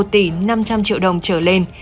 một tỷ năm trăm linh triệu đồng trở lên